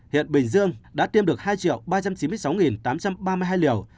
hiện bình dương đã tiêm được hai ba trăm chín mươi sáu tám trăm ba mươi hai liều